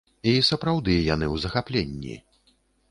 І, сапраўды, яны ў захапленні.